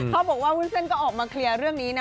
เขาบอกว่าวุ้นเส้นก็ออกมาเคลียร์เรื่องนี้นะ